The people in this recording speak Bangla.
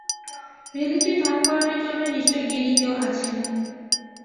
রিয়েলিটির নামকরণের জন্য নিশ্চয়ই জ্ঞানী কেউ আছে।